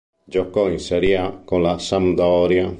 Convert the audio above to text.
Giocò in Serie A con la Sampdoria.